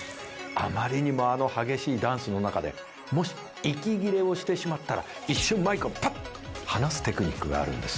あまりにもの激しいダンスの中でもし息切れをしてしまったら一瞬マイクをパッと離すテクニックがあるんです。